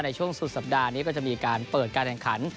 ในช่วงสุดสัปดาห์นี้ก็จะมีการเปิดการแข่งขัน